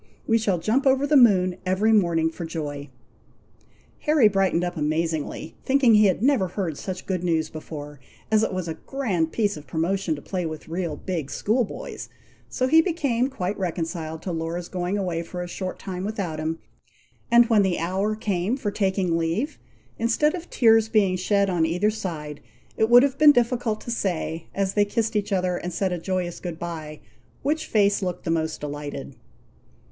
We shall jump over the moon every morning, for joy." Harry brightened up amazingly, thinking he had never heard such good news before, as it was a grand piece of promotion to play with real big school boys; so he became quite reconciled to Laura's going away for a short time without him; and when the hour came for taking leave, instead of tears being shed on either side, it would have been difficult to say, as they kissed each other and said a joyous good bye, which face looked the most delighted.